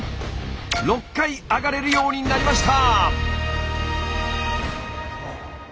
６回上がれるようになりました！